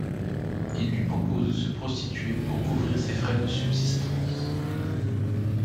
Ils lui proposent de se prostituer pour couvrir ses frais de subsistance.